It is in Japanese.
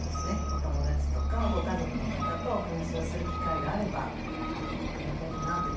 お友達とかご家族の方とお話をする機会があればありがたいかなぁというふうに思います。